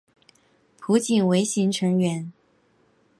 浦井唯行成员。